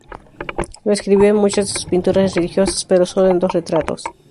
Lo inscribió en muchas de sus pinturas religiosas, pero solo en dos retratos.